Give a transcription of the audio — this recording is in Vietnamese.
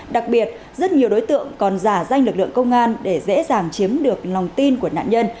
đặc biệt rất nhiều đối tượng còn giả danh lực lượng công an để dễ dàng chiếm được lòng tin của nạn nhân